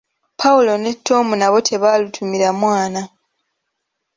Paulo ne Tom nabo tebaalutumira mwana.